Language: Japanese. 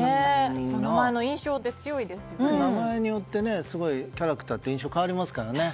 名前によってキャラクターは印象が変わりますからね。